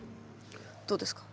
どうですか？